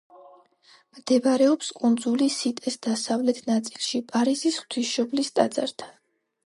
მდებარეობს კუნძული სიტეს დასავლეთ ნაწილში, პარიზის ღვთისმშობლის ტაძართან.